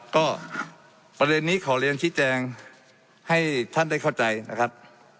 ก็ประเด็นนี้ขอเรียนชี้แจงให้ท่านได้เข้าใจนะครับ